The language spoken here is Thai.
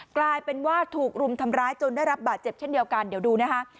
กลายเป็นว่าถูกรุมทำร้ายจนได้รับบาดเจ็บเช่นเดียวกันเดี๋ยวดูนะคะ